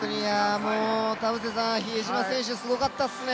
比江島選手、すごかったですね。